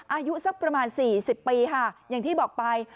อายุสักประมาณ๔๐ปีค่ะอย่างที่บอกไป